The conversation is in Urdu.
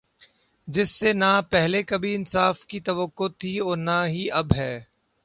جس سے نا پہلے کبھی انصاف کی توقع تھی اور نا ہی اب ہے